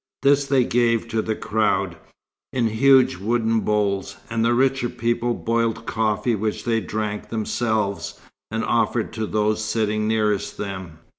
This they gave to the crowd, in huge wooden bowls; and the richer people boiled coffee which they drank themselves, and offered to those sitting nearest them.